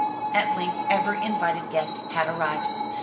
At length every invited guest had arrived.